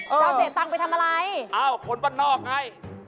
จะเอาเสียตังค์ไปทำอะไรอ้าวคนบ้านนอกไง